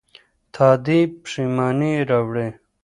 تادي پښيماني راوړي.